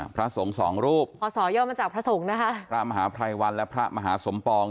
พระสงฆ์สองรูปพอสอย่อมาจากพระสงฆ์นะคะพระมหาภัยวันและพระมหาสมปอง